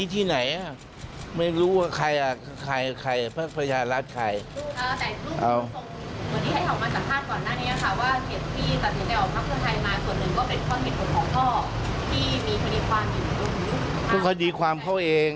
ที่มีความดีของเขาเอง